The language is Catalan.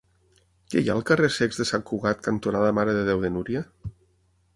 Què hi ha al carrer Cecs de Sant Cugat cantonada Mare de Déu de Núria?